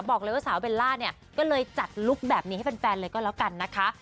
บอกเลยเบล่าก็เลยจัดรูปแบบนี้ให้เพื่อนเลยก็แล้วกันนะ